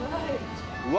うわ。